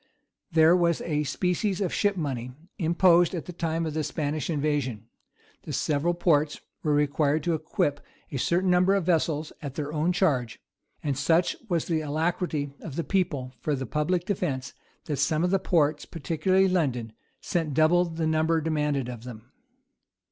[v] There was a species of ship money imposed at the time of the Spanish invasion: the several ports were required to equip a certain number of vessels at their own charge: and such was the alacrity of the people for the public defence, that some of the ports, particularly London, sent double the number demanded of them.